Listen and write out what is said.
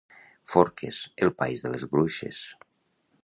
Forques, el país de les bruixes.